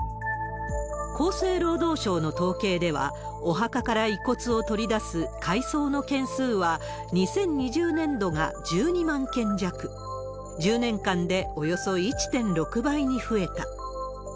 厚生労働省の統計では、お墓から遺骨を取り出す改装の件数は、２０２０年度が１２万件弱、１０年間でおよそ１．６倍に増えた。